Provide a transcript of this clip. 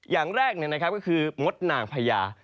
อย่างแรกก็คือมดนางพญา